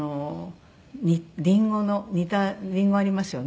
リンゴの煮たリンゴありますよね？